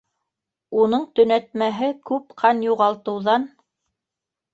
Уның төнәтмәһе күп ҡан юғалтыуҙан.